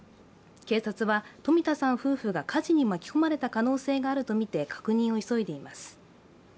警察は、冨田さん夫婦が火事に巻き込まれた可能性があるとみて確認を急いでいます。